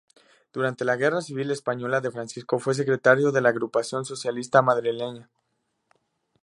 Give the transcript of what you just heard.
Durante la Guerra Civil Española, De Francisco fue secretario de la Agrupación Socialista Madrileña.